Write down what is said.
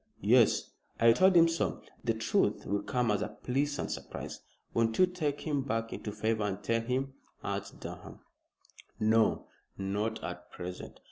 "Yes! I told him so. The truth will come as a pleasant surprise." "Won't you take him back into favor and tell him?" urged Durham. "No! not at present.